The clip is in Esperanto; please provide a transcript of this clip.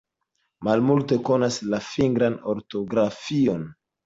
Malmultaj konas la fingran ortografion.